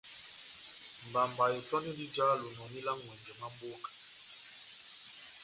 Mbamba itöndindi ijá lonòni lá n'ŋwɛnjɛ mwa mboka.